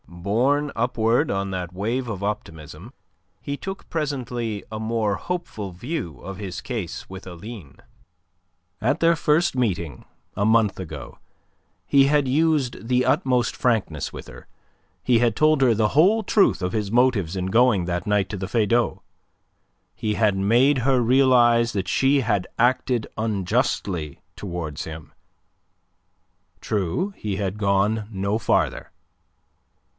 Borne upward on that wave of optimism, he took presently a more hopeful view of his case with Aline. At their first meeting a month ago he had used the utmost frankness with her. He had told her the whole truth of his motives in going that night to the Feydau; he had made her realize that she had acted unjustly towards him. True he had gone no farther.